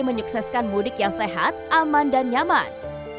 menyukseskan mudik yang sehat aman dan nyaman